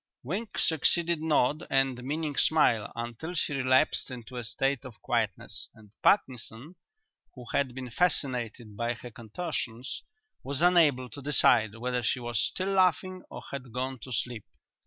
Wink succeeded nod and meaning smile until she relapsed into a state of quietness; and Parkinson, who had been fascinated by her contortions, was unable to decide whether she was still laughing or had gone to sleep.